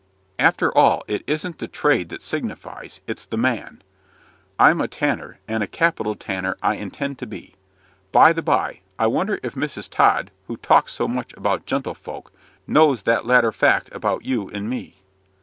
After all, it isn't the trade that signifies it's the man. I'm a tanner, and a capital tanner I intend to be. By the by, I wonder if Mrs. Tod, who talks so much about 'gentlefolk,' knows that latter fact about you and me?"